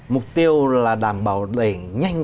mục tiêu là đảm bảo đẩy nhanh